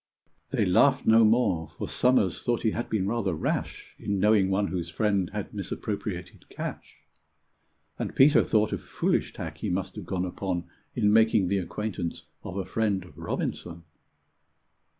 They laughed no more, for Somers thought he had been rather rash In knowing one whose friend had misappropriated cash; And Peter thought a foolish tack he must have gone upon In making the acquaintance of a friend of Robinson.